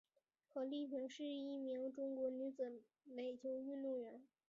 何丽萍是一名中国女子垒球运动员。